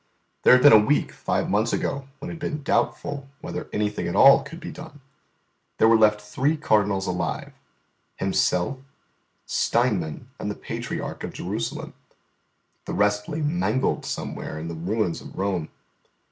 There had been a week five months ago when it had been doubtful whether anything at all could be done. There were left three Cardinals alive, Himself, Steinmann, and the Patriarch of Jerusalem; the rest lay mangled somewhere in the ruins of Rome.